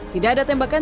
tidak ada tembakan